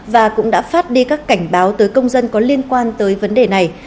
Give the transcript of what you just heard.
và cũng đã phát đi các cảnh báo tới công dân có liên quan tới vấn đề này